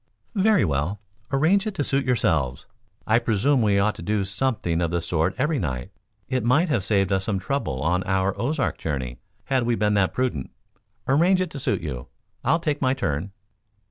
"Very well; arrange it to suit yourselves. I presume we ought to do something of the sort every night. It might have saved us some trouble on our Ozark journey had we been that prudent. Arrange it to suit you. I'll take my turn."